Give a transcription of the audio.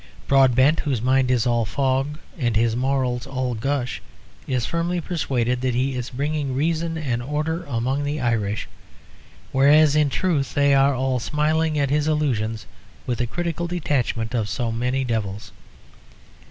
Broadbent, whose mind is all fog and his morals all gush, is firmly persuaded that he is bringing reason and order among the Irish, whereas in truth they are all smiling at his illusions with the critical detachment of so many devils.